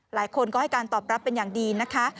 หลายคนก็ให้การตอบรับเป็นอย่างดีนะคะ